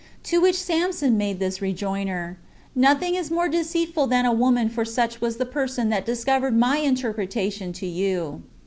To which Samson made this rejoinder: "Nothing is more deceitful than a woman for such was the person that discovered my interpretation to you."